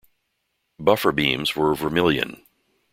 Buffer beams were vermilion.